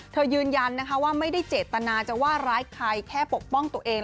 ยืนยันนะคะว่าไม่ได้เจตนาจะว่าร้ายใครแค่ปกป้องตัวเอง